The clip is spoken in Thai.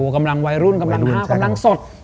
กำลังวัยรุ่นกำลังห้าวกำลังสด